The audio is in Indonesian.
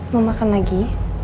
mau makan lagi